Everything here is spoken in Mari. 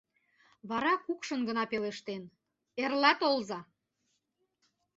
Вара кукшын гына пелештен: «Эрла толза».